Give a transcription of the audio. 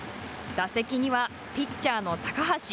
打席にはピッチャーの高橋。